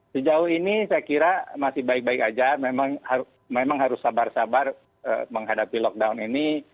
sejauh ini saya kira masih baik baik saja memang harus sabar sabar menghadapi lockdown ini